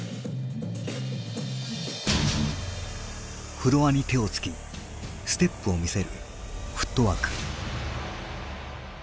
フロアに手をつきステップを見せる「フットワーク」。